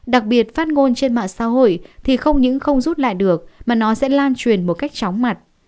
đặc biệt phát ngôn trên mạng xã hội thì không những không rút lại được mà nó sẽ lan truyền một cách chóng mặt